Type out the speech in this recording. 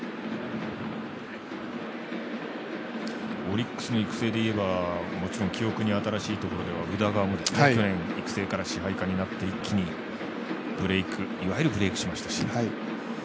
オリックスの育成でいえばもちろん記憶に新しいところでは宇田川も去年、育成から支配下になって一気にいわゆるブレイクしましたし。